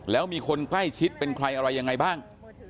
แล้วมีคนใกล้ชิดเป็นใครอะไรยังไงบ้าง